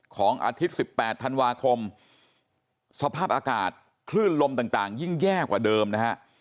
อาทิตย์๑๘ธันวาคมสภาพอากาศคลื่นลมต่างยิ่งแย่กว่าเดิมนะฮะ